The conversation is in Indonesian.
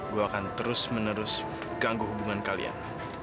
gue akan terus menerus ganggu hubungan kalian